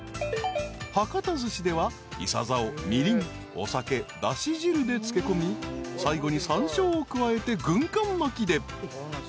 ［博多寿司ではいさざをみりんお酒だし汁で漬け込み最後にさんしょうを加えて軍艦巻きで］